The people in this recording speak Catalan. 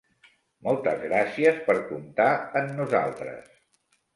Moltes gràcies per comptar en nosaltres.